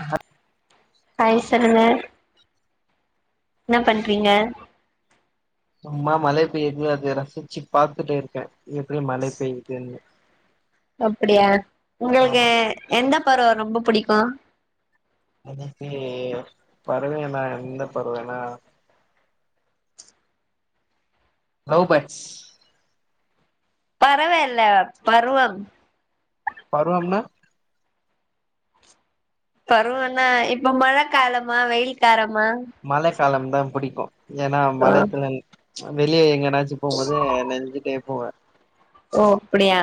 ஆமா [inaudible] ஹாய் சொல்லுங்க என்ன பண்றீங்க சும்மா மழை பெய்து அத ரசிச்சு பாரத்துட்டு இருக்கே எப்படி மழை பெய்யுதுன்னு அப்படியா உங்களுக்கு ஆமா எந்த பருவ ரொம்ப புடிக்கு எனக்கு பறவைனா எந்த பறவைனா லவ் பர்ட்ஸ் பறவ இல்ல பருவம் பருவம்னா பருவன்னா இப்ப மழை காலமா வெயில் காலமா மழை காலம்தா புடிக்கு ஏன்னா ஆ மழைதல் வெளியே எங்க னாச்சு போம்போது நெனஞ்சுட்டே போவே ஓ அப்படியா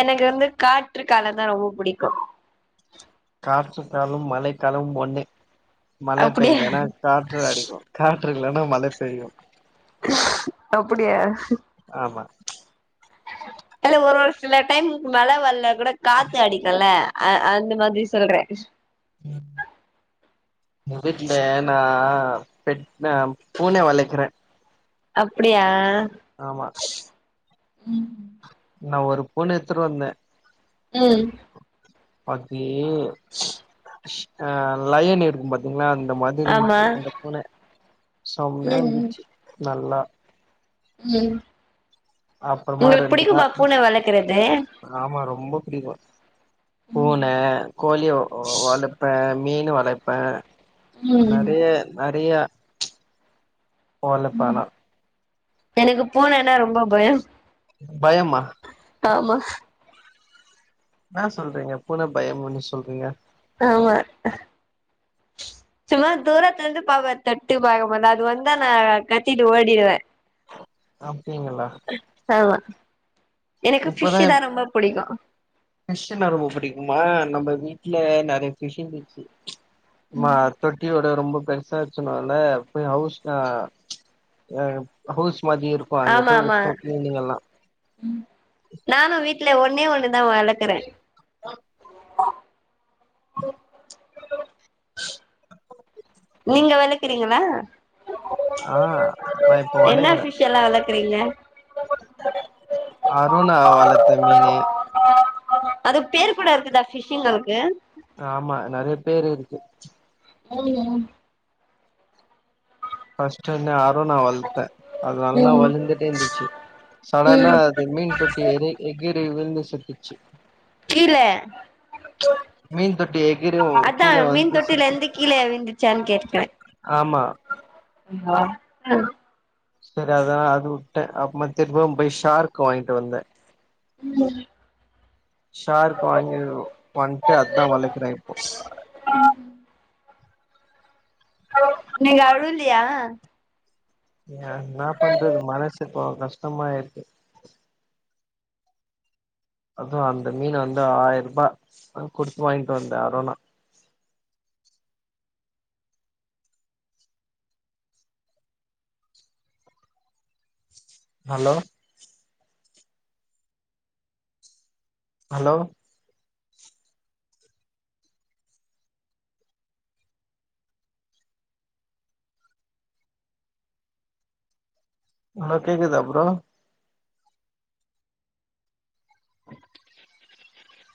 எனக்கு வந்து காற்று காலந்தா ரொம்ப பிடிக்கு காற்று காலம் மழை காலம் ஒண்ணு மழை அப்டியா பெய்லனா காற்று அடிக்கோ காற்று இல்லன்னா மழ பெய்யு அப்புடியா ஆமா அது ஒரு ஒரு சில டைமுக்கு மழ வரல கூட காத்து அடிக் குல்ல அ அந்த மாதிரி சொல்றே ஏ வீட்ல நா பெட் நா பூனய வளக்குறே அப்படியா ஆமா உம் நா ஒரு பூனைய எத்துட்டு வந்தே உம் அதி ஆ லயன் இருக்கு பாத்தீங்களா அந்த மாதி ஆமா இருந்துச்சு அந்த பூன சம்மையா ம் இருந்துச்சு நல்லா உம் அப்புறமா உங்களுக்கு ரெண்டு பிடிக்குமா நாள் பூனை வளக்கறது ஆமா ரொம்ப பிடிக்கோ பூன கோழிய வ வளப்பே மீனு வளப்பே ம் நறைய நறையா வளப்ப ஆனா எனக்கு பூனனா ரொம்போ பயோ பயம்மா ஆமா இன்னா சொல்றீங்க பூன பயமுன்னு சொல்றீங்க ஆமா சும்மா தூரத்துலர்ந்து பாப்ப தட்டி பாக்கமாட்ட அது வந்தா நா கத்திட்டு ஓடிடுவே அப்டீங்கலா ஆமா எனக்கு இப்பதா ஃபிஷுதா ரொம்ப பிடிக்கோ ஃபிஷ்னா ரொம்ப பிடிக்குமா நம்ம வீட்ல நறைய பிஷ் இர்ந்துச்சி சும்மா தொட்டிய விட ரொம்ப பெர்ஸ் ஸா இருக்குனோல போய் ஹவுஸ் அ எ ஹவுஸ் மாதிரியே இருக் ஆமா ஆமா நானு வீட்ல ஒன்னே ஒண்ணு நா வளக்கறே ஆஹ [inaudible] நீங்க வளக்குறீங்களா ஆ நா இப்போ வளக்குற பெட்ஸெல்லா வளக்குறீங்க அறோனா வளத்த மீனு அது பேர் கூட இருக்குதா பிஷுங்களுக்கு ஆமா நறைய பேரு இருக்கு ம் ம் பஸ்டு வந்து அரோனா வள்த்த அது நல்லா ம் வலந்துட்டே இருந்துச்சு சடனா ம் இந்த மீன் தொட்டி ஏறி எகிறி விழுந்து செத்துருச்சு கீல அ [inaudible] அதான் மீன் தொட்டில செத்து இருந்து கீழே விழுந்துச்சானு கேக்குறேன் ஆமா ம் அ ம் சேரி அதான் அது விட்டேன் அப்ப மா திரும்ப போய் ஷார்க் வாங்கிட்டு வந்தேன் உம் ஷார்க் வாங்கி வந்துட்டு அதுதான் வளக்குறேன் இப்போ ஆ ஹலோ இன்னைக்கு அழுவலையா ஏ என்ன பண்றது மனசு இப்போ கஷ்டமா இருக்கு அதான் அந்த மீன் வந்து ஆயிரம் ரூபா குடுத்து வாங்கிட்டு வந்த அரோனா ஹலோ ஹலோ ஹலோ கேக்குதா ப்ரோ